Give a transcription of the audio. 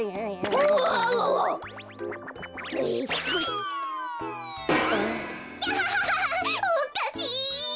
おっかしい！